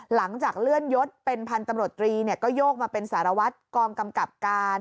หลังจากเลื่อนยศเป็นพันธุ์ตำรวจตรีก็โยกมาเป็นสารวัตรกองกำกับการ